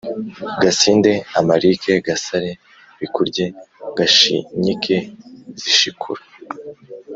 gasinde amarike; gasare bikurye; gashinyike zishikura;